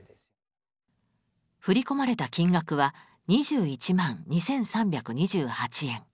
振り込まれた金額は２１万２，３２８円。